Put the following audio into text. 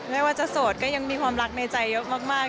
ไม่ว่าจะโสดก็ยังมีความรักในใจเยอะมาก